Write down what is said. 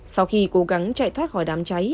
sau khi cố gắng chạy thoát khỏi đám cháy